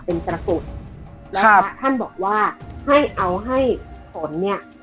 เป็นประสุทธิ์ครับพระท่านบอกว่าให้เอาให้ผลเนี้ย